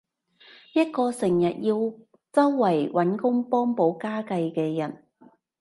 一個成日要周圍搵工幫補家計嘅人